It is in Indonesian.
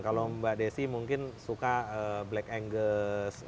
kalau mbak desi mungkin suka black angles